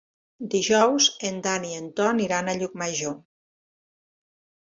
Dijous en Dan i en Ton iran a Llucmajor.